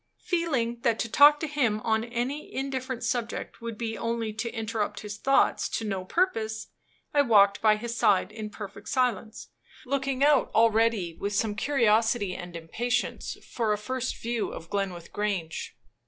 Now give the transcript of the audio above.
Feeling that to talk to him on any indifferent subject would be only to interrupt his thoughts to no purpose, I walked by his side in perfect silence, looking out already with some curiosity and impatience for a first view of Glenwith Grange.